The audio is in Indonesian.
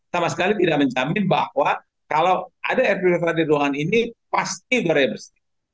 sama sekali tidak menjamin bahwa kalau ada air purifier di ruangan ini pasti udara bersih